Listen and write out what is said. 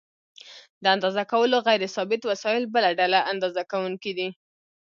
د اندازه کولو غیر ثابت وسایل بله ډله اندازه کوونکي دي.